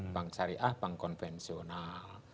bank syariah bank konvensional